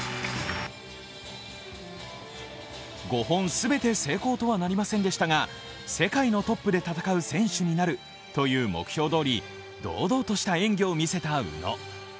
５本全て成功とはなりませんでしたが、世界のトップで戦う選手になるという目標どおり、堂々とした演技を見せた宇野。